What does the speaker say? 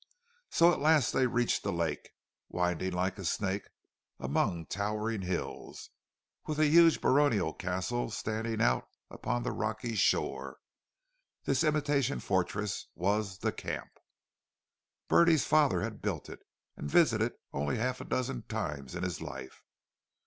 So at last they reached a lake, winding like a snake among towering hills, and with a huge baronial castle standing out upon the rocky shore. This imitation fortress was the "camp." Bertie's father had built it, and visited it only half a dozen times in his life.